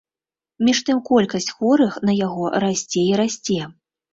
Між тым колькасць хворых на яго расце і расце.